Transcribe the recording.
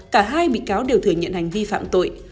cả hai bị cáo đều thừa nhận hành vi phạm tội